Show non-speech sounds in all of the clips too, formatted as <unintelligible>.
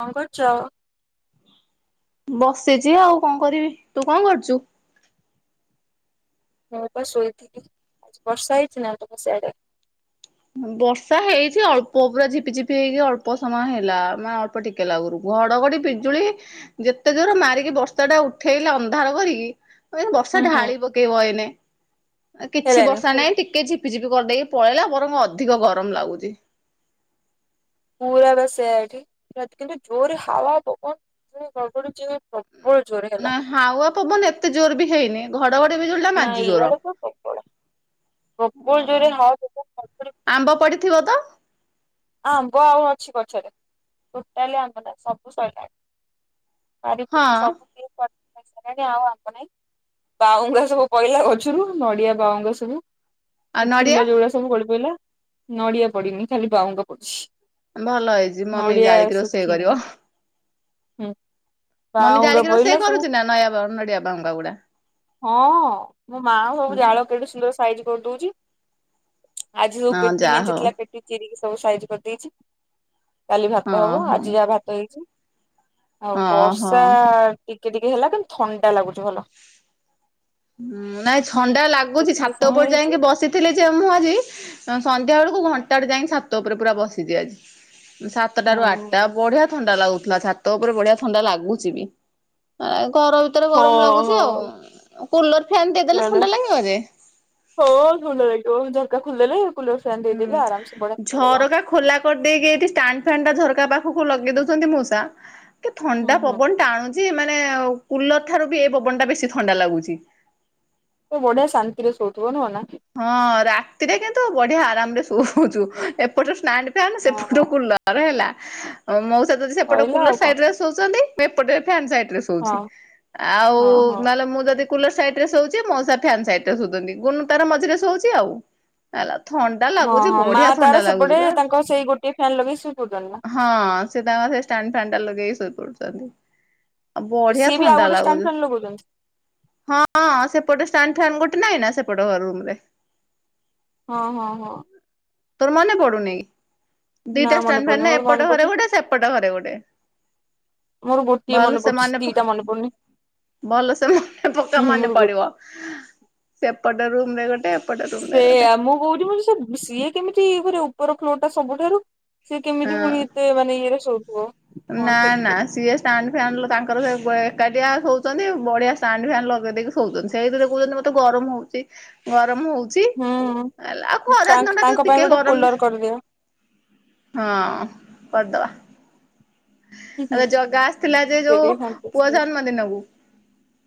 କଣ କରୁଛ? ବସିଛି ଆଉ କଣ କରିବି, ତୁ କଣ କରୁଛୁ? ମୁଁ ବା ଶୋଇଥିଲି, ଆଜି ବର୍ଷା ହେଇଛି ନା ତମ ସେଆଡେ? ବର୍ଷା ହେଇଛି, ଅଳ୍ପ ପୁରା ଝିପିଝପି ହେଇକି ଅଳ୍ପ ସମୟ ହେଲା, ମାନେ ଅଳ ଅଳ୍ପ ଟିକେ ଲାଗୁରୁ ଘଡଘଡି ବିଜୁଳି ଯେତେ ଜୋର ମାରିକି ବର୍ଷା ଟା ଉଠେଇଲା ଅନ୍ଧାର କରିକି। କ ବର୍ଷା ହୁଁ ହୁଁ ଢାଳି ପକେଇବ ଏଇନେ, କିଛି ହେଲାନି ବର୍ଷା ନାହିଁ ଟିକେ ଝିପ୍ ଝିପି ଝିପି କରିଦେଇକି ପଳେଇଲା ବରଂ ଅଧିକ ଗରମ ଲାଗୁଛି। ପୁରା ବା ସେୟଆ ଏଠି କିନ୍ତୁ ଜୋରେ ହାୱା ପବନ <unintelligible> ଗଡ଼ଡୁଛି। ନାଁ ହାୱା ପବନ ଏତେ ଜୋର ବି ହେଇନି, ଘଡଘଡ ବିଜୁଳିଟା ନାଇଁ ମାରିଚି ଜୋର। ଇଆଡେ ତ ପ୍ରବଳ ଓ ପ୍ରବଳ ଜୋରେ ହାୱା <unintelligible> ଆମ୍ବ ପଡ଼ିଥିବ ତ? ଆମ୍ବ ଆଉ ଅଛି ଗଛରେ, ଟୋଟାଲି ଆମ୍ବ ନାଇ ସବୁ ସାଇଲାଣି। ହଁ ପାରିପୂରି ସବୁ କିଏ କୁଆଡେ ନେଇସାରିଲେଣି ଆଉ ଆମ୍ୱ ନାହିଁ। ବାଉଙ୍ଗା ସବୁ ପଇଲା ଗଛରୁ, ନଡିଆ ବାଉଙ୍ଗା ସବୁ। ଆଉ <unintelligible> ନଡିଆ ଥିଲା ଯୋଉଗୁଡା ସବୁ ଗଡି ପଡିଲା ନଡିଆ ପଡିନି ଖାଲି ବାଉଙ୍ଗା ପଡିଛି। ଭଲ ହେଇଛି, ମମି ଜାଳିକି ରୋଷେଇ କରିବ। ହଁ। ମମି ଜାଳିକି ରୋଷେଇ କରୁଛି ନା ନାଇଁ ମ ମିଡିଆ ବାହୂଙ୍ଗା ଗୁଡା। ହଁ ମୋ ମା ସବୁ ଜାଳ କେଡ଼େ ସୁନ୍ଦର ସାଇଜି କରିଦଉଛି ଆଜି ସବୁ ହଁ ପେଟି ଯା ମେଞ୍ଚେ ହଉ ଥିଲା ପେଟି ଚିରିକି ସବୁ ସାଇଜ। କଲା। କରିଦେଇଛି କାଲି ଭାତ ହଁ ହବ ହଁ ଆଜି ଯାହା ଭାତ ହେଇଛି। ଆଉ ହଁ ବର୍ଷା ହଁ ଟିକେ ଟିକେ ହେଲା କିନ୍ତୁ ଥଣ୍ଡା ଲାଗୁଛି ଭଲ। ହଁ ନାଇଁ ଥଣ୍ଡା ଲାଗୁଛି ଯେତିକି ଛାତ ସମୟ ଉପରେ ହେଇଛି ଯାଇକି ବସି ଥିଲେ ଯେ ମୁଁ ଆଜି ସନ୍ଧ୍ୟା ବେଳକୁ ଘଣ୍ଟା ଟେ ଯାଇକି ଛାତ ଉପରେ ପୁରା ବସିଛିି ଆଜି। ସାତଟାରୁ ହଁ। ଆଠଟା ବଢିଆ। ଥଣ୍ଡା ଲାଗୁଥିଲା ଛାତ ଉପରେ ବଢିଆ ଥଣ୍ଡା ଲାଗୁଛି ବି ଘର ରେ ହଁ ଗରମ ଲାଗୁଛି ହଁ ଆଉ କୁଲର ଫ୍ୟାନ୍ ଦେଇଦେଲେ ଥଣ୍ଡା ଲାଗିବ ଯେ ହଉ ଭଲ ଥଣ୍ଡା ଲାଗିବଝରକା ଖୋଲି ଦେଲେ କୁଲରଫ୍ୟନ୍ ଦେଇଦେଲେ ଆରାମସେ ବଢିଆ ଥଣ୍ଡା ଲାଗିବ। ଝରକା ଖୋଲା କରିଦେଇକି ଏଠି ଷ୍ଟାଣ୍ଡ ଫ୍ୟାନ ଟା ଝରକା ପାଖକୁ ଲଗେଇ ଦଉଛନ୍ତି ମୂଷା ହୁଁ ଥଣ୍ଡା ହୁଁ ପବନ ଟା ଆଣୁଛି ମାନେ କୁଲର ଠାରୁ ବି ଏଇ ପବନ ଟା ବେଶୀ ଥଣ୍ଡା ଲାଗୁଛି। ତ ବଢିଆ ଶାନ୍ତିରେ ଶୋଉଥିବ ନୁହଁ ନା। ହଁ ରାତିରେ କିନ୍ତୁ ବଢିଆ ଆରାମ ରେ ଶୋଉଛୁ ଏପଟୁ ଷ୍ଟ୍ୟଣ୍ଡସେପଟୁ ହଁ। ସେପଟୁକୁ କୁଲ ହେଲା ମଉସା ଯଦି ସେପଟ କହିଲା କୁଲର ଆଉ କଣ ସାଇଡ ଶୋଉଛନ୍ତି ଏପଟ ସାଇତିରେ ସୋ ହଁ ଉଛି ଆଉ ହଁ ହଁ। ନହେଲେ ମୁଁ ଯଦି କୁଲର ସାଇଟିରେ ଶୋଉଛି ମଉସା ଫ୍ୟାନ ସାଇଟରେ ଶୋଉଛନ୍ତି। ତାର ମଝିରେ ଶୋଉଛି ଆଉ। ହେଲା ଥଣ୍ଡା ହଁ ଲାଗୁଛି ହଁ ମା ବଢିଆ ତାର ଥଣ୍ଡା ସେପଟେ ଲାଗୁଛି ବା। ତାଙ୍କ ସେଇ ଗୋଟିଏ ଫ୍ୟାନ ଲଗେଇ ଶୋଇ ପଡୁଛନ୍ତି ନା। ହଁ ସେ ତାଙ୍କ ସେ ଷ୍ଟ୍ୟଣ୍ଡଫ୍ୟାନ ଲଗେଇକି ଶୋଇ ପଡୁଛନ୍ତି। ଆଉ ବଢିଆ ସିଏ ବି ଆଉ ଥଣ୍ଡା ଗୋଟେ ଷ୍ଟାଣ୍ଡ ଲାଗଛି। ଫ୍ୟାନ ଲଗଉଛନ୍ତି ହଁ ସେପଟେ ଷ୍ଟ୍ୟାଣ୍ଡଫ୍ୟାନ ଗୋଟେ ନାଇଁ ନା ସେପଟ ରୁମ ରେ। ହଁ ହଁ ହଁ। ତୋର ମନେ ପଡୁନି ନା ଦିଟା ମନେ ଷ୍ଟ୍ୟାଣ୍ଡଫ୍ୟାନ ପଡୁନି ନାହି ମୋର ମନେ ଏପଟ ପଡୁଛି ଘରେ ଗୋଟେ ସେ ଏପଟ ଘରେ ଗୋଟେ। ମୋର ଗୋଟିଏ ଭଲ ମନେ ସେ ପଡଛି ପ ଦିଟା ମେ ପଡୁନି। ଭଲ ସେ ମନେ ପକା ହୁଁ ହୁଁ ମନେ ମୋର ଗୋ ପଡିବ ସେପଟ ରୁମରେ ଗୋଟେ ଏପଟ ରୁମ୍ ରେ ଗୋଟେ ସେଇଆ ମୁଁ କହୁଚି ମତେ ସେ ସିଏ କେମିତି ଏ କରିବ ଉପର ଫ୍ଲୋରଟା ସବୁଠାରୁ। ସେ ହଁ। କେମିତି ପୁଣି ଏତେ ମାନେ ଇଏରେ ଶୋଉଥିବ ହଁ ଠିକ ଠିକ। ଷ୍ଟାଣ୍ଡଫ୍ୟାନ ଲୋ ତାଙ୍କର ସେ ଏକାଟିଆ ସୋଉଚନ୍ତି ବଢିଆ ଷ୍ଟାଣ୍ଡ ଫ୍ୟାନ୍ ଲଗେଇ ଦେଇକି ସୋଉଛନ୍ତି। ସେଇଥିରେ କହୁଛନ୍ତି ମତେ ଗରମ ହଉଛି ଗରମ ହଉଛି। ହୁଁ। ହେଲା ଆଉ ଖରା ତାଙ୍କ ଦିନ ଟା ଟ ତାଙ୍କ ପାଇଁ ଟିକେ ଗୋଟେ ଗରମ କୁଲର କରିଦିଅ ହଁ କରଦବା। ହୁଁ ହୁଁ ଆବେ ଜଗା ଆସିଥିଲା ଯେ ସେ ଯୋଉ ଟିକେ ପୁଅ ସନ୍ତୁଷ୍ଟ ଜନ୍ମ ଦିନକୁ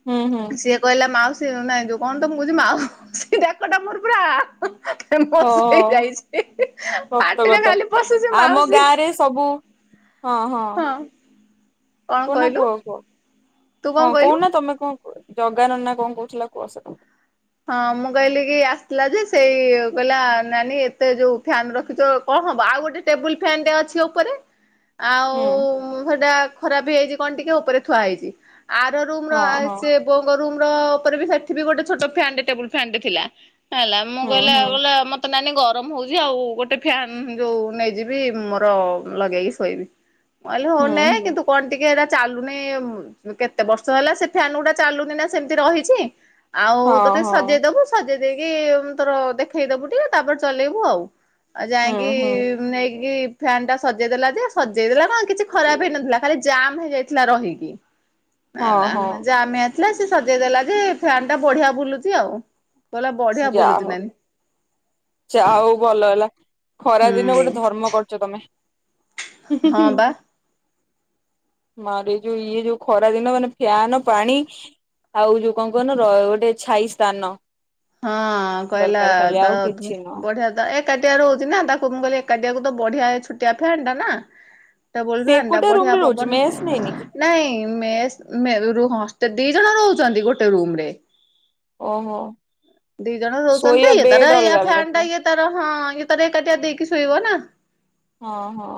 ହୁଁ ହୁଁ। ସିଏ କହିଲା ମାଉସୀ ନାଇଁ ଯୋଉ କଣ ତ ମୁଁ କହୁଚି ମାଉସି ଡାକଟା ମୋର ପୁରା ହଁ ବସେଇ ହଁ ଯାଇଛି ସତ ପାଟିରେ କଥା ଖାଲି ପଶୁଛି ଆମ ମାଉସୀ ଗାଁ ରେ ସବୁ ହଁ ହଁ। ହଁ। କଣ କହୁନା କହିଲୁ କୁହ କୁହ ତୁ କଣ ହଁ କହିଲୁ? କୋହୁନା ତମେ କଣ କୁହ ଜଗାନନା କଣ କହୁଥିଲା କୁହ ସେଟୁ ହଁ ମୁଁ କହିଲି କି ଆସିଥିଲା ଯେ ସେଇ କହିଲା ନାନୀ ଏତେ ଯୋଉ ଫ୍ୟାନ ରଖିଚ କଣ ହବ ଆଉ ଗୋଟେ ଟେବୁଲ ଫ୍ୟାନଟେ ଅଛି ଉପରେ। ଆଉ ହୁଁ ହେଇଟା ଖରାପ ବି ହେଇଛି କଣ ଟିକେ ଉପରେ ଥୁଆ ହେଇଛି। ଆର ରୁମର ହଁ ହଁ। ସେ ବୋଉଙ୍କ ରୁମର ଉପରେ ବି ସେଠି ବି ଗୋଟେ ଛୋଟ ଟେବୁଲ ଫ୍ୟାନଟେ ଥିଲା। ହେଲା ମୁଁ ହୁଁ କହିଲେ ଆ ହୁଁ କହିଲା ମ ତ ନାନୀ ଗରମ ହଉଚି ଆଉ ଗୋଟେ ଫ୍ୟାନ ଯୋଉ ନେଇଯିବି ମୋର ଲଗେଇକି ଶୋଇବି। କହିଲି ହୁଁ ହଉନେ ହୁଁ କିନ୍ତୁ କଣ ଟିକେ ଏଇଟା ଚାଲୁନି କେତେ ବର୍ଷ ହେଲା ସେ ଫ୍ୟାନ ଗୁଡା ଚାଲୁନି ନା ସେମିତି ରହିଛି ଆଉ ହଁ ହଁ ଦେବୁ ସଜେଇ ଦେଇକି ତୋର ଦେଖେଇଦବୁ ଟିକେ ତାପରେ ଚଲେଇବୁ ଆଉ। ଅ ହୁଁ ଯାଇଁକି ହୁଁ ନେଇକି ଫ୍ୟାନ୍ ଟା ସଜେଇ ଦେଲା ଯେ ସଜେଇ ଦେଲା କଁ କିଛି ଖରାପ୍ ହେଇନଥିଲା ଖାଲି ଜାମ୍ ହେଇଯାଇଥିଲା ରହିକି। <inaudible> ହଁ ହେଲା ହଁ ଜାମ୍ ହେଇଆଇଥିଲା ସେ ସଜେଇ ଦେଲା ଯେ ଫ୍ୟାନ୍ ଟା ବଢିଆ ବୁଲୁଚି ଆଉ। କହିଲା ବଢିଆ ଯା ବୁଲୁଛି ହଉ ନାନୀ ଚା ହଉ ଭଲ ହେଲା। ଖରା ଦିନ ହୁଁ ଗୋଟେ ଧର୍ମ କରୁଚ ତମେ। ହଁ <inaudible> ମାରେ ଯୋଉ ଇଏ ଯୋଉ ଖରା ଦିନ ମାନେ ଫ୍ୟାନ ପାଣି ଆଉ ଯୋଉ କଁ କହୁନ ର ଗୋଟେ ଛାଇ ସ୍ଥାନ। ହଁ କହିଲା ଦରକାର ଖାଲି ଆଉ <unintelligible> କିଛି ନୁହଁ। ବଢିଆ ତ ଏ ଏକାଟିଆ ରହୁଚି ନା ତାକୁ ମୁଁ କହିଲି ଏକାଟିଆକୁ ତ ବଢିଆ ଏ ଛୋଟିଆ ଫ୍ୟାନ୍ ଟା ନା। ଟେବୁଲ୍ ସେ ଫ୍ୟାନ୍ ଟା ଏକୁଟିଆ ରୁମ ବଢିଆ ରେ ରହୁଛି ପବନ୍। ମେସ୍ ନେଇନି କି ନାଇଁ ମେସ୍ ମେ ରୁ ହଷ୍ଟେ ଦି ଜଣ ରହୁଛନ୍ତି ଗୋଟେ ରୁମ୍ ରେ। ଓହୋ। ଦି ଜଣ ରଉଚନ୍ତି ଶୋଇବା ଇଏ ବେଡ୍ ତାର ଇଆ ଅଲଗା ଅଲଗା ଫ୍ୟାନ୍ ଟା ଥିବ। ଇଏ ତାର ହଁ ଇଏ ତାର ଏକାଟିଆ ଦେଇକି ଶୋଇବ ନା। ହଁ-ହଁ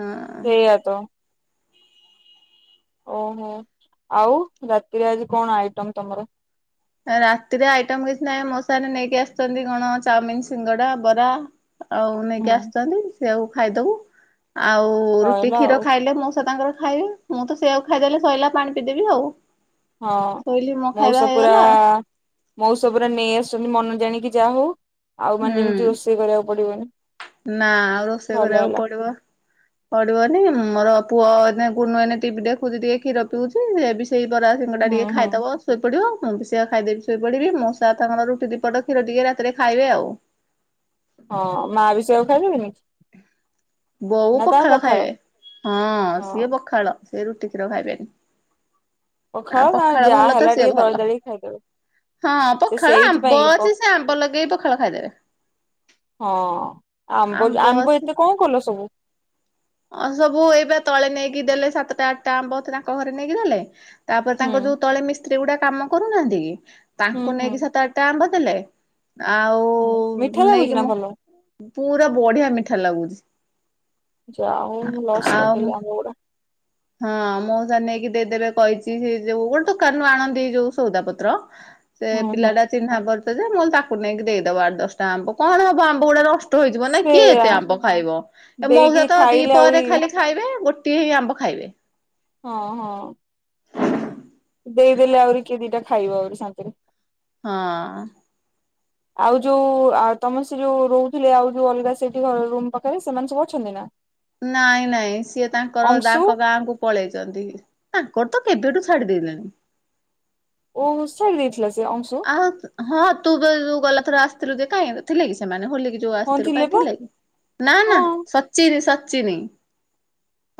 ହଁ ସେଇଆ ତ। ଓହୋ ଆଉ ରାତିରେ ଆଜି କଣ ଆଇଟମ୍ ତମର? ଏ ରାତିରେ ଆଇଟମ୍ କିଛି ନାଇଁ ମଉସା ଏଇନେ ନେଇକି ଆସିଛନ୍ତି କଣ ଚାଉମିନ୍ ସିଙ୍ଗଡା ବରା ଆଉ ହୁଁ। ନେଇକି ଆସିଚନ୍ତି ସେଇଆକୁ ଖାଇଦବୁ ଆଉ ଉ ରୁଟି ସଇଲା କ୍ଷୀର ଆଉ ଖାଇଲେ ମଉସା ତାଙ୍କର ଖାଇବେ ମୁଁ ତ ସେଇଆକୁ ଖାଇଦେଲେ ସଇଲା ପାଣି ପିଇଦେବି ଆଉ। ହଁ ଶୋଇଲି ମୋ ଖାଇବା ମଉସା ପୁରା ହେଇଗଲା ମଉସା ପୁରା ନେଇ ଆସୁଚନ୍ତି ମନ ଜାଣିକି ଯା ହଉ ଆଉ ମାନେ ହୁଁ ଯେମ୍ତି ରୋଷେଇ କରିଆକୁ ପଡିବନି। ନା ଆଉ ରୋଷେଇ ଭଲ କରିଆକୁ ହେଲା। ପଡିବ। ପଡିବନି ମୋର ପୁଅ ଏଇନେ ଗୁନୁ ଏଇନେ ଟିଭି ଦେଖୁଚି ଟିକେ କ୍ଷୀର ପିଉଚି ସେ ବିସ୍ ସେଇ ବରା ସିଙ୍ଗଡ଼ା ହୁଁ ଟିକେ ହୁଁ। ଖାଇଦବସ୍ ଶୋଇପଡିବ ମୁଁ ବି ସେଆ ଖାଇଦେବି ଶୋଇ ପଡିବି ମଉସା ତାଙ୍କର ରୁଟି ଦିପଟ କ୍ଷୀର ଟିକେ ରାତିରେ ଖାଇବେ ଆଉ। ହଁ ମା ବି ସେଇଆକୁ ଖାଇଦେବେନି? ବୋଉ ନା ତାର ପଖାଳ ଖାଇବେ ହଁ ସିଏ ପଖାଳ ସିଏ ରୁଟି କ୍ଷୀର ଖାଇବେନି। ଆ ତା ପଖାଳ ଯାହା ଭଲ ତ ହେଲା ସିଏ ଟିକେ ଦଳି ଭଲ। ଦଳିକି ଖାଇଦେବେ ହଁ ସେ ପଖାଳ ସେଇଥିପାଇଁ ଆମ୍ବ ପ ଅଛି ସେ ଆମ୍ବ ଲଗେଇକି ପଖାଳ ଖାଇଦେବେ। ହଁ ଆମ୍ବ <unintelligible> ଆମ୍ବ ଏତେ କଁ କଲ ସବୁ? ଅଁ ସବୁ ଏଇ ବା ତଳେ ନେଇକି ଦେଲେ ସାତଟା ଆଠଟା ଆମ୍ବ ତାଙ୍କ ଘରେ ନେଇକି ଦେଲେ। ତାପରେ ହୁଁ ତାଙ୍କ ଯୋଉ ତଳେ ମିସ୍ତ୍ରୀ ଗୁଡା କାମ କରୁନାହାନ୍ତି କି ହୁଁ ତାଙ୍କୁ ହୁଁ। ନେଇକି ସାତ ଆ ଟା ଆମ୍ବ ଦେଲେ ଆଉ ହୁଁ। ମିଠା ଲାଗୁଛି ନେଇକି ନା ମୁଁ ଭଲ ପୁରା ବଢିଆ ମିଠା ଲାଗୁଛି। ଯା ହଉ ମୁଁ ଲସ୍ କର୍ ଆଉ ଦେଲି ଆମ୍ବ ଗୁଡା। ହଁ ମଉସା ନେଇକି ଦେଇଦେବେ କହିଚି ସେ ଯୋ ଗୋଟେ ଦୋକାନରୁୁ ଆଣନ୍ତି ଯୋଉ ସଉଦା ପତ୍ର ସେ ହୁଁ ହୁଁ। ପିଲାଟା ଚିହ୍ନା ପାରିଚ ଯେ ମୁଁ ତାକୁ ନେଇକି ଦେଇଦବ ଆଠ୍ ଦଶ୍ ଟା ଆମ୍ବ କଣ ହବ ଆମ୍ବ ଗୁଡା <unintelligible> ଟ ହେଇଯିବ ନା କିଏ ସେଇଆ ଏତେ ଆମ୍ବ ଖାଇବ ଏ ମଉସା ଦେଇକି ତ ଦି ଖାଇଲେ ଆହୁରି ପରେ ଖାଲି ଖାଇବେ ଗୋଟିଏ ହିଁ ଆମ୍ବ ଖାଇବେ। ହଁ-ହଁ ଦେଇଦେଲେ ଆଉରି କିଏ ଦିଟା ଖାଇବ ଆଉରି ଶାନ୍ତିରେ। ହଁ। ଆଉ ଯୋଉ ଆଉ ତମେ ସେ ଯୋଉ ରହୁଥିଲେ ଆଉ ଯୋଉ ଅଲ୍ଗା ସେଇଠି ଘର୍ ରୁମ୍ ପାଖରେ ସେମାନେ ସବୁ ଅଛନ୍ତି ନା? ନାଇଁ ନାଇଁ ସିଏ ତାଙ୍କର ଅଂଶୁ ତାଙ୍କ ଗାଁକୁ ପଳେଇଛନ୍ତି ତାଙ୍କର ତ କେବେଠୁ ଛାଡିଦେଲେଣି। ଓହ ସାରି ଦେଇଥିଲା ସେ ଅଂଶୁ। ଆ ହଁ ତୁ ବା ଯୋଉ ଗଲାପରେ ଆସିଥିଲୁ ଦେଖା ଯେ କାହିଁକି ଥିଲେ କି ସେମାନେ ହୋଲିକି। ଯୋଉ ହଁ ଆସିଥିଲୁ ଥିଲେ କାଇଁ ପା ଥିଲା କି ନା ନା ହଁ। ସ ସଚିନି ସଚିନି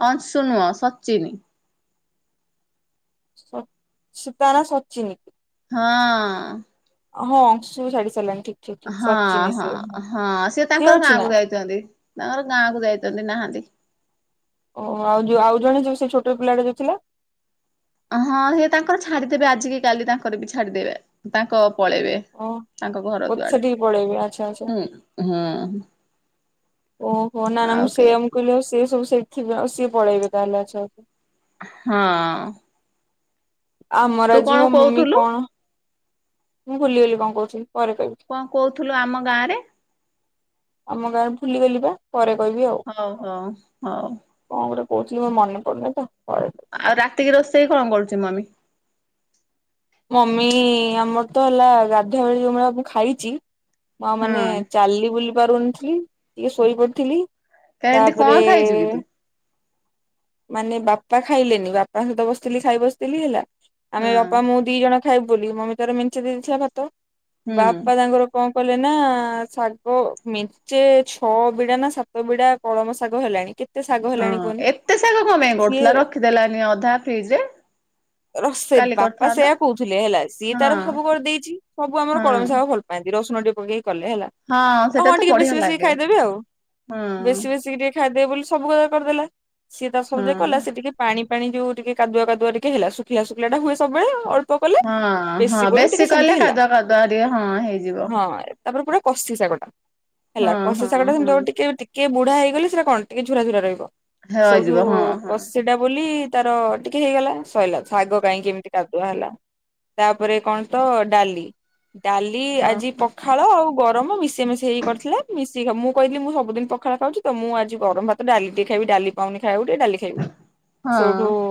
ଅଂଶୁ ନୁହଁ ସଚିନି। ସ ତା ନା ସଚିନି। ହଁ। ହଁ ଅଂଶୁ ବି ଛାଡି ସାରିଲାଣି ଠିକ। ଠିକ ଠିକ ହଁ ସଚିନି ସିଏ ହଁ ହଁ ସିଏ ତାଙ୍କର ଅଛି ନା ଗାଁକୁ ଯାଇଛନ୍ତି ତାଙ୍କର ଗାଁକୁ ଯାଇଛନ୍ତି ନାହାନ୍ତି। ଓହ ଆଉ ଆଉ ଜଣେ ଯୋଉ ସେ ଛୋଟ ପିଲାଟେ ଯୋଉ ଥିଲା। ଅ ହଁ ସେ ତାଙ୍କର ଛାଡିଦେବେ ଆଜିକି କାଲି ତାଙ୍କର ବି ଛାଡିଦେବେ ତାଙ୍କ ପଳେଇବେ। ଓ ତାଙ୍କ ଘର ଓ ଦୁଆଡେ ସେଠିକି ପଳେଇବେ ଆଚ୍ଛା ଆଚ୍ଛା। ହୁଁ ହଁ। ଓହୋ ନା ନା ମୁଁ କେହି ସେମ କହିଲ ଆଉ ସିଏ ସବୁ ସେଠି ଆଉ ସିଏ ପଳେଇବେ ତାହେଲେ ଆଚ୍ଛା। ହଁ। ଆମର ତୁ ଆଜି କଣ ମୋ ମମି କହୁଥିଲୁ କଣ ମୁଁ ଭୁଲି ଗଲି କଣ କହୁଥିଲି ପରେ କହିବି। କଣ କହୁଥିଲୁ ଆମ ଗାଁରେ। ଆମ ଗାଁରେ ଭୁଲିଗଲି ବା ପରେ କହିବି ଆଉ। ହଉ ହଉ ହଉ। କଣ ଗୋଟେ କହୁଥିଲି ମୁଁ ମନେ ପଡନି ତ କ ଆଉ ରାତିକି ରୋଷେଇ କଣ କରୁଛି ମମି? ମମି ଆମର ତ ହେଲା ଗାଧୁଆବେଳି ଯୋଉଭଳି ମୁଁ ଖାଇଛି। ମା ମାନେ ହଁ ଚାଲଲି ବୁଲି ପାରୁନଥିଲି ଟିକେ ଶୋଇ ପଡିଥିଲି। କେମିତି କଣ ତାପରେ। ଖାଇଛୁ କି ତୁ ମାନେ ବାପା ଖାଇଲେନି ବାପାଙ୍କ ସହିତ ବସିଥିଲି ଖାଇ ବସିଥିଲି ହେଲା। ଆମେ ହଁ ବାପା ମୁଁ ଦି ଜଣ ଖାଇବୁ ବୋଲି ମମି ତାର ମେଞ୍ଚେ ଦେଇଥିଲା ଭାତ ହୁଁ ବାପା ତାଙ୍କର। କଣ କଲେ ନା ଶାଗ ମେଞ୍ଚେ ଛଅ ବିଡା ନା ସାତ ବିଡା କଳମ ଶାଗ ହେଲାଣି କେତ ହଁ ଏତେ ଶାଗ କଣ ପାଇଁ ସିଏ କରୁଥିଲା ରଖିଦେଲାନି ଅଧା ଫ୍ରିଜରେ। ରୋଷେଇ ବାପା ସେୟା କହୁଥିଲେ ହେଲା ସିଏ ହଁ ତାର ସବୁ କରିଦେଇଛି ସବୁ ଆମର ହଁ କଳମ ଶାଗ ଭଲ ପାଆନ୍ତି ରସୁଣ ଟିକେ ପକେଇକି କଲେ ହେଲା। ସେଟା ହଁ ତ ଟିକେ ବେଶୀ ବଢିଆ ବେଶୀ ଲାଗେ ଖାଇଦେବେ ଆଉ ହଁ ବେଶୀ ବେଶିକି ଟିକେ। ଖାଇଦେବେ ବୋଲି ସବୁ ଜାଙ୍କ କରିଦେଲା ସିଏ ତା ସବୁ ଜାଙ୍କ କଲା ହଁ। ସେ ଟିକେ ପାଣି ପାଣି ଯୋଉ ଟିକେ କାଦୁଆ କାଦୁଆ ଟିକେ ହେଲା ଶୁଖିଲା ଶୁଖିଲାଟା ହୁଏ ସବୁବେଳେ ଅଲ ଅଳ୍ପ କଲେ ହଁ ହଁ ବେଶୀ ବୋଲି ଟିକେ ସେମତି କଲେ ହେଲା କାଦୁଆ କାଦୁଆ ଟିକେ ହଁ ହେଇଯିବ ହଁ। ତାପରେ ପୁରା କଷି ଶାଗଟା ହେଲା ହଁ କଷି ହଁ ଶାଗଟା ହଁ। ସେମିତି ଟିକେ ଟିକେ ବୁଢା ହେଇଗଲେ ସେଟା କଣ ଟିକେ ଝୁରାଝୁରା ରହିବ ସେଉଠୁ ରହିଯିବ ହଁ ହଁ କଷି ଏଟା ବୋଲି ତାର ଟିକେ ହେଇଗଲା ସଇଲା ଶାଗ କାହିଁକି ଏମିତି କାଦୁଆ ହେଲା ତାପରେ କଣ ତ ଡାଲି ଡାଲି ହଁ ଆଜି ପ ପଖାଳ ଆଉ ଗରମ ମିଶେଇ ମିଶେଇ କରିଥିଲେ ମିଶି ମୁଁ କହିଥିଲି ମୁଁ ସବୁଦିନ ପଖାଳ ଖାଉଚି ତ ମୁଁ ଆଜି ଗରମ ଭାତ ଡାଲି ଟିକେ ଖାଇବି ଡାଲି ପାଉନି ଖାଇବାକୁ ଡାଲି ସେଉଠୁ ହଁ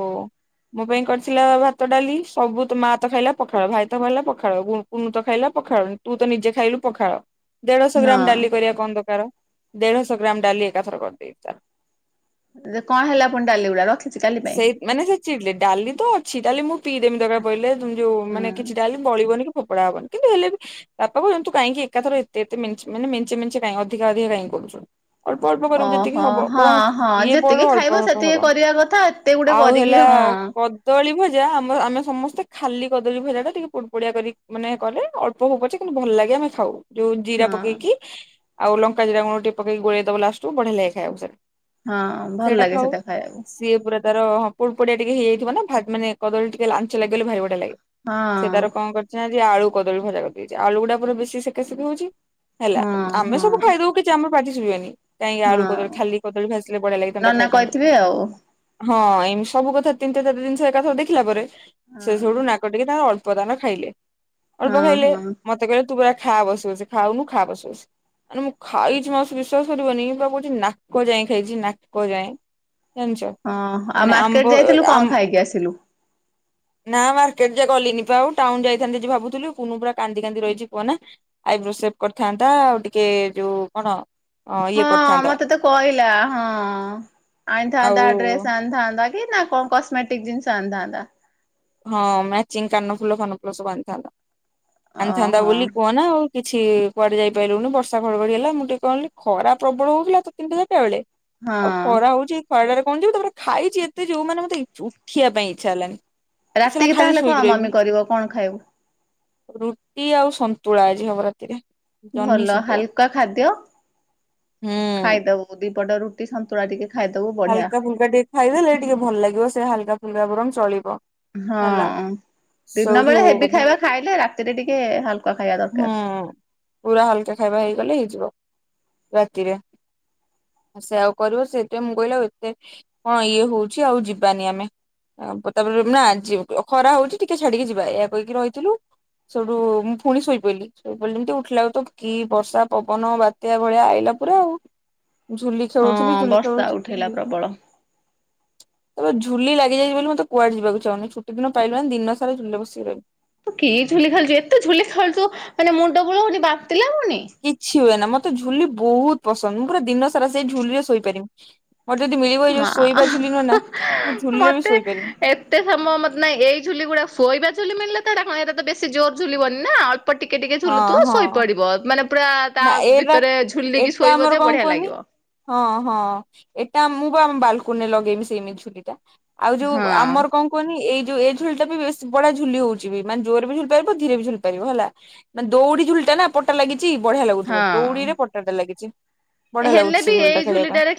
ମୋ ପାଇଁ କରିଥିଲା ଭାତ ଡାଲି ସବୁ ମା ତ ଖାଇଲା ପଖାଳ ଭାଇ ତ ଖାଇଲା ପଖାଳ ଗୁନୁତ ଖାଇଲା ପଖାଳ ତୁ ତ ନିଜେ ଖାଇଲୁ ପଖାଳ ଦେଢଶହ ହଁ। ଗ୍ରାମ ଡାଲି କରିବା କଣ ଦରକାର ଦେଢଶହ ଗ୍ରାମ ଡାଲି ଏକାଥର କରିଦେଇଛି ତାର ଯେ କଣ ହେଲା ପୁଣି ଡାଲି ଗୁଡାକ ରଖିଛି କାଲି ପାଇଁ ସେଇ ମାନେ ସେ ଚିଡିଲେ ଡାଲି ତ ଅଛି ଡାଲି ମୁଁ ପିଇଦେବି ଦରକାର ପଇଲେ ଯୋଉ ହୁଁ। ମାନେ କିଛି ଡାଲି ବଳିବନି ଫେପଡା ହବିନି କିନ୍ତୁ ହେଲେ ବି ବାପା କହୁଛନ୍ତି ତୁ କାଇଁକି ଏକାଥରେ ଏତେ ଏତେ ମେଞ୍ଚେ ମାନେମେଞ୍ଚେ କାଇଁ ଅଧିକା ଅଧିକା କାଇଁ କରୁଚୁ। ଅଳ୍ପ ଅଳ୍ପ କରିବୁ ଯେତିକି ଓହୋ ହବ ହଁ ବରଂ ହଁ ଇଏ ଯେତିକି ପଡ଼ୁଅଳ୍ପ ଖାଇବ ଅଳ୍ପ ସେତିକି ହବ। କରିବା କଥା ଏତେ ଗୁଟେ ଆଉ କରିକି ହେଲା ହଁ। କଦଳୀ ଭଜା ଆମ ଆମେ ସମସ୍ତ ସେତେ ଖାଲି କଦଳୀ ଭଜା ଟା ଟିକେ ପୁଡ଼ୁ ପୁଡିଆ କରି ମାନେ କଲେ ଅଳ୍ପ ହେଉ ପଛେ କିନ୍ତୁ ଭଲ ଲାଗେ ଆମେ ଖାଉ ଯୋଉ ଜିରା ହଁ ପକେଇକି ଆଉ ଲଙ୍କା ଜିରା ଗୁଣ୍ଡଟିକେ ପକେଇକି ଗୋଲେଇ ଦବ ଲାଷ୍ଟକୁ ବଢିଆ ଲାଗେ ଖଇବାକୁ ହଁ ଭଲ ଲାଗେ ସେଟା ଖାଇବାକୁ। ସିଏ ପୁରା ତାର ହଁ କୁଡୁ କଡିଆ ଟିକେ ହେଇଯାଇଥିବ ନା ମାନେ କଦଳ ଟିକେ ଲାଞ୍ଚ ଲାଗଗଲେ ଭାରି ଭଲ ଲାଗେ ସେ ହଁ। ତାର କଣ କର ସେ ଆଳୁ କଦଳୀ ଭଜା କରିଦେଇଛି ଆଳୁ ଗୁଡା ପୁର ବେଶୀ ସେକାସେକି ହେଲା ହଁ ଆମେ ହଁ ସବୁ ଖାଇଦେବୁ ଜମା ପାଟି ଶୁଭିବନି କାହିଁକି ଆଳୁ ହଁ କଦଳୀ ଖାଲି କଦଳୀ ଭାସିଲେ ବଢିଆ ଲାଗିଥାନ୍ତା ନନା ଖାଇଥାନ୍ତୁ କହିଥିବେ ଆଉ। ହଁ ଏମିତି ସବୁ କଥା ତିନିଟା ଚାରିଟା ଜିନିଷ ଏକାଥରେ ଦେଖିଲା ପରେ ହଁ ସେ ସବୁଠୁ ନାକ ଟିକି ତାଙ୍କର ଅଳ୍ ଉପଦାନ ଖାଇଲେ ଅଳ୍ପ ହଁ ଖାଇଲେ। ହଁ ମତେ କହିଲେ ତୁ ପୁରା ଖାଆ ବସି ବସି ଖାଉନୁ ଖାଆ ବସି ବସି। ମାନେ ମୁଁ ଖାଇଛି ମାଉସି ବିଶ୍ଵାସ କରିବନି ପୁରା ମୁଁ କହୁଛି ନାକ ଯାଏଁ ଖାଇଛି ନାକ ଯାଏଁ। ଜାଣିଚ ମାନେ ଆମ୍ବ ଆମ କିଏ ଆସିଲୁ? ନା ମାର୍କେଟ ଯେ ଗଲିନି ଆଉ ଟାଉନ ଯାଇଥାନ୍ତି ଯେ ଭାବୁଥିଲି କୁନୁ ପୁରା କାନ୍ଦି କାନ୍ଦି ରହିଛି କୁହ ନା ଆଇବ୍ରୋ ସେପ କରିଥାନ୍ତା ଆଉ ଟିକେ ଯୋଉ କଣ ଇଏ? ହଁ କରିଥାନ୍ତା ମତେ ତ କହିଲା ହଁ ଆଉ ଆଣିଥାନ୍ତା ଡ୍ରେସ ଆଣିଥାନ୍ତା କି ନା କଣ କଷ୍ଟ ମେଟିକ ଜିନିଷ ଆଣିଥାନ୍ତି। ହଁ ମ୍ୟାଚିଂ କାନଫୁଲ ଫାନ ଫୁଲ ସବୁ ଆଣିଥାନ୍ତା ଆଣିଥାନ୍ତା ଓହୋ ବୋଲି କୁହ ନା ଆଉ କିଛି କୁଆଡେ ଯାଇପାରିଲୁନି ବର୍ଷା ଘଡଘଡି ହେଲା ମୁଁ ଟିକେ କହିଲି ଖରା ପ୍ରବଳ ହଉଥିଲା ତ ତିନିଟା ଚାରିଟା ବେଳେ। ଆଉ ହଁ ଖରା ହଉଛି ଏଇ ଖରାଟାରେ କଣ ଯିବୁ ତାପରେ ଖାଇଛି ଏତେ ଯୋଉ ମାନେ ମତେ ଉଠିବା ପାଇଁ ଇଚ୍ଛା ହେଲାନି। ଏ ଶଳା ରାତିକି ଖାଲି ତାହେଲେ ଶୋଇକି କଣ ରହିମି ମମି କରିବ କଣ ଖାଇବୁ? ରୁଟି ଆଉ ସନ୍ତୁଳା ଆଜି ହବ ରାତିରେ। ଜହ୍ନି ଭଲ ସନ୍ତୁଳା। ହାଲକା ଖାଦ୍ୟ ହୁଁ। ଖାଇଦବ ଦିପଟ ରୁଟି ଟି ସନ୍ତୁଳା ଟିକେ ଖାଇଦବୁ। ବଢିଆ। ହାଲକା ଫୁଲକା ଟିକେ ଖାଇଦେଲେ ଟିକେ ଭଲ ଲାଗିବ ସେ ହାଲକା ଫୁଲକା ବରଂ ଚଳିବ। ହଁ ହେଲା। ଦିନ ସେଇଠୁ ବେଳେ ହେବି ଭା ଖାଇବା ଖାଇଲେ ରାତିରେ ଟିକେ ହାଲକା ଖାଇବା ହୁଁ ଦରକାର। ପୁରା ହାଲକା ଖାଇବା ହେଇଗଲେ ହେଇଯିବ ରାତିରେ। ସେ ଆଉ କରିବ ସେଥିପାଇଁ ମୁଁ କହିଲି ଏତେ କଣ ଇଏ ହଉଛି ଆଉ ଯିବାନି ଆମେ। ତାପରେ ନା ଖରା ହଉଛି ଟିକେ ଛାଡିକି ଯିବା ଏୟା କହିକି ରହିଥିଲୁ। ସେଠୁ ମୁଁ ପୁଣି ଶୋଇପଇଲି ଶୋଇପଇଲି ଯେମିତି ଉଠିଲା ବେଳକୁ ତ କି ବର୍ଷା ପବନ ବା କେ ଭଳିଆ ଆଇଲା ପୁରା ଆଉ। ଝୁଲି ଖେଳୁଥିଲି ହଁ ଝୁଲି ବର୍ଷା ଖେଳୁଛି ଉଠେଇଲା ଝୁଲି। <inaudible> ତ ଝୁଲି ଲାଗିଯାଇଛି ବୋଲି ମତେ କୁଆଡେ ଯିବାକୁ ଚାହୁନି ଛୁଟି ଦିନ ପାଇଲୁ ମାନେ ଦିନ ସାରା ଝୁଲି ବସିକି ରହିବୁ। ତୁ କିଏ ଝୁଲି ଖାଉଲଛୁ ଏତେ ଝୁଲି ଖାଉୁଛୁ ମାନେ ମୁଣ୍ଡ ବୋଲଉନି ବାନ୍ତି ଲାଗୁନି। କିଛି ହୁଏ ନା ମତେ ଝୁଲି ବହୁତ ପସନ୍ଦ ମୁଁ ପୁରା ଦିନ ସାରା ସେଇ ଝୁଲି ରେ ଶୋଇପାରିବି। ମୋରେ ଯଦି ମିଳିବ ଏଇ ମା ଯୋଉ ଶୋଇବା ଝୁଲି ନ ନା ମୁଁ ଝୁଲିଲରେ ବି ଶୋଇପାରିବି। ଏତ ସମ ମତେ ନ ଏଇ ଝୁଲି ଗୁଡା ଶୋଇବା ଝୁଲି ମଣିଲେ ତଟା କଣ ଏଟା ତ ବେଶୀ ଜୋର ଝୁଲିବନି ନା ଆଳ୍ପ ଟିକେ ଟିକେ ହଁ ବୁଲୁ ତୁ ହଁ ଶୋଇପଡିବ ମାନେ ପୁରା ତା ନା ଏଇଟା ଭିତରେ ଝୁଲିକି ଏଟା ଶୋଇବ ଆମର ଯେ କଣ ବଢିଆ କୁହନି ଲାଗିବ। ହଁ ହଁ ଏଟା ମୁଁ ବା ଆମ ବାଲକୁନ ରେ ଲଗେଇବି ସେଇମିତି ଝୁଲି ଟା। ଆଉ ଯୋଉ ହଁ ଆମର କଣ କୁହନି ଏଯୋଉ ଏ ଝୁଲି ଟା ବି ବେଶ ବଢିଆ ଝୁଲି ହଉଛି ବି ମାନ ଜୋରରେ ବି ଝୁଲି ପାରିବ ଧୀରେ ବି ଝୁଲି ପାରିବ ହେଲା। ମାନେ ଦଉଡି ଝୁଳିଟା ନା ପଟା ଲାଗିଛି ବଢିଆ ଲାଗୁଥିବ ହଁ। ଦଉଡିରେ ପଟାଟା ଲାଗିଛି। ବଢିଆ ହେଲେ ଲାଗୁଛି ବି ସେ ଏଇ ଗୋଲଟା ଖେଳିବା ପାଇଁ। ଝୁଲିଟାରେ